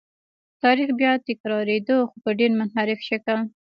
تاریخ بیا تکرارېده خو په ډېر منحرف شکل.